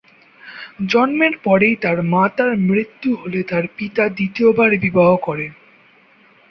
জন্মের পরেই তার মাতার মৃত্যু হলে তার পিতা দ্বিতীয়বার বিবাহ করেন।